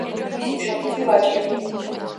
მისი მშობლები ვაჭრები იყვნენ.